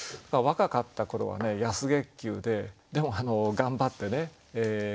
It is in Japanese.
若かった頃はね安月給ででも頑張ってね